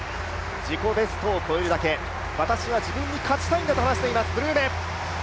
自己ベストを超えるだけ、私は自分に勝ちたいんだと話しています、ブルーメ。